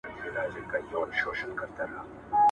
اورۍ او نوک نه سره جلا کېږي.